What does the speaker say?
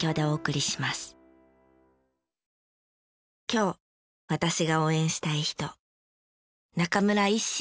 今日私が応援したい人。